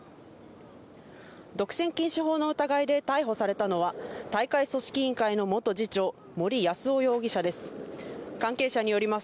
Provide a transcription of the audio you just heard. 独占禁止法の疑いで逮捕されたのは大会組織委員会の元次長・森泰夫容疑者です。